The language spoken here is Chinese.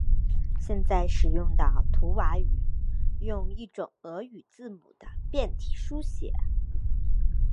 现在使用的图瓦语用一种俄语字母的变体书写。